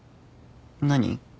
何？